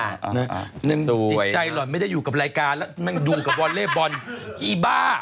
จิตใจหล่อนไม่ได้อยู่กับรายการแล้วนั่งดูกับวอเล่บอลอีบ้า